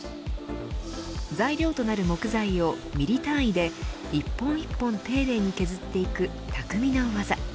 材料となる木材を、ミリ単位で一本一本、丁寧に削っていく匠の技。